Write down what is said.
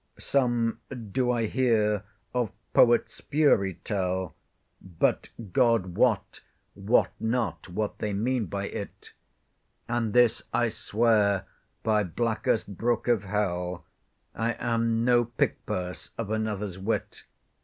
Some do I bear of Poets' fury tell, But (God wot) wot not what they mean by it; And this I swear by blackest brook of hell, I am no pick purse of another's wit.